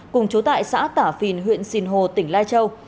cùng chố tại xã tả phìn huyện sìn hồ tỉnh lai châu